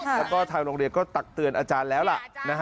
แล้วก็ทางโรงเรียนก็ตักเตือนอาจารย์แล้วล่ะ